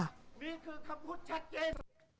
อันนี้คือคำพูดชัดเจน